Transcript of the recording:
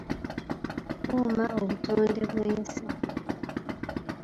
Kuuma obutonde bw'ensi.